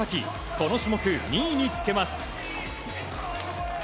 この種目、２位につけます。